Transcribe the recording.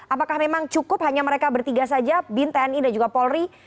apakah memang cukup hanya mereka bertiga saja bin tni dan juga polri